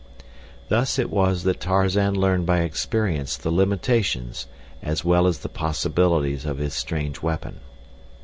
Thus it was that Tarzan learned by experience the limitations as well as the possibilities of his strange weapon.